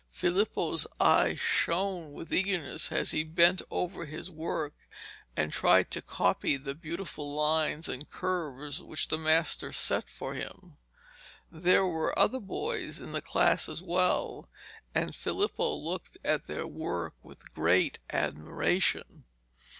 Filippo's eyes shone with eagerness as he bent over his work and tried to copy the beautiful lines and curves which the master set for him. There were other boys in the class as well, and Filippo looked at their work with great admiration.